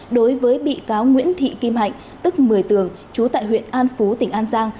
đối với bị cáo nguyễn thị kim hạnh tức một mươi tường chú tại huyện an phú tỉnh an giang